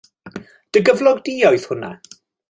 Dy gyflog di oedd hwnna?